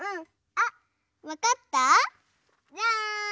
あわかった？じゃん！